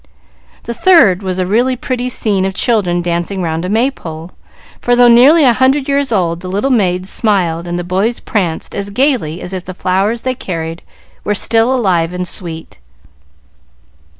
The third was a really pretty scene of children dancing round a May pole, for though nearly a hundred years old, the little maids smiled and the boys pranced as gayly as if the flowers they carried were still alive and sweet.